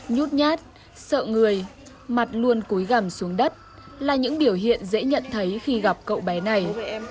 nhút nhát sợ người mặt luôn cúi gầm xuống đất là những biểu hiện dễ nhận thấy khi gặp cậu bé này